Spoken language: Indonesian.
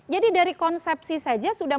jadi dari konsepsi saja sudah